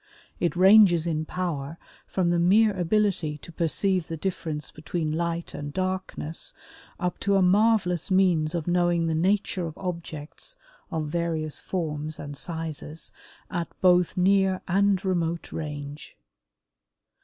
It ranges in power from the mere ability to perceive the difference between light and darkness up to a marvelous means of knowing the nature of objects of various forms and sizes, at both near and remote range.